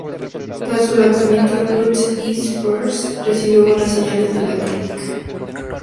Tras su lanzamiento, "Rust in Peace" recibió buenas reseñas de la crítica.